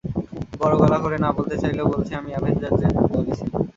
বড় গলা করে না বলতে চাইলেও বলছি, আমি অ্যাভেঞ্জারদের দলে ছিলাম।